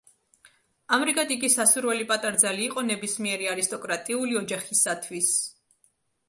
ამრიგად იგი სასურველი პატარძალი იყო ნებისმიერი არისტოკრატიული ოჯახისათვის.